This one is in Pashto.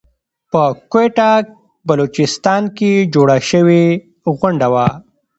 په کويټه بلوچستان کې جوړه شوى غونډه وه .